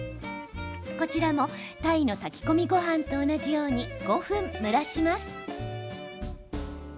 こちらも、鯛の炊き込みごはんと同じように５分蒸らします。